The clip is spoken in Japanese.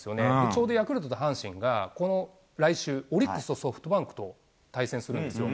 ちょうどヤクルトと阪神がこの来週、オリックスとソフトバンクと対戦するんですよ。